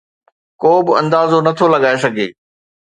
ڪو به اندازو نٿو لڳائي سگهي